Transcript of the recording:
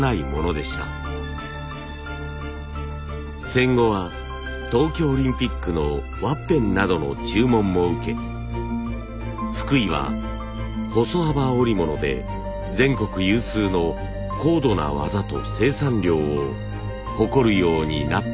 戦後は東京オリンピックのワッペンなどの注文も受け福井は細幅織物で全国有数の高度な技と生産量を誇るようになったのです。